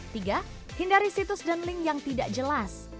tiga hindari situs dan link yang tidak jelas